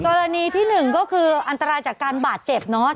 กรณีที่หนึ่งก็คืออันตรายจากการบาดเจ็บเนอะ